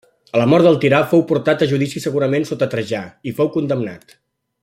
A la mort del tirà fou portat a judici segurament sota Trajà, i fou condemnat.